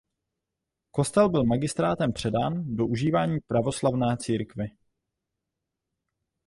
Kostel byl magistrátem předán do užívání pravoslavné církvi.